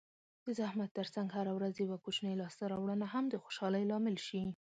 د زحمت ترڅنګ هره ورځ یوه کوچنۍ لاسته راوړنه هم د خوشحالۍ لامل شي.